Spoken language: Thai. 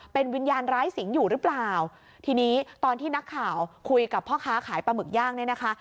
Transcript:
เป็นวิญญาณร้ายสิงห์อยู่หรือเปล่าทีนี้ตอนที่นักข่าวคุยกับพ่อค้าขายปลาหมึกย่างเนี่ยนะคะ